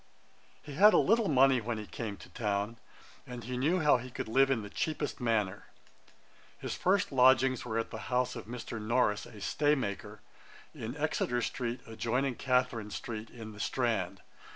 He had a little money when he came to town, and he knew how he could live in the cheapest manner. His first lodgings were at the house of Mr. Norris, a staymaker, in Exeter street, adjoining Catharine street, in the Strand.